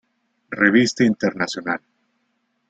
Revista Internacional.